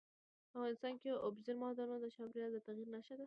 افغانستان کې اوبزین معدنونه د چاپېریال د تغیر نښه ده.